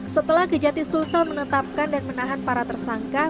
setelah kejati sulsel menetapkan dan menahan para tersangka